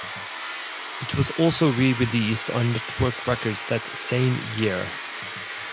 It was also re-released on Nettwerk records that same year.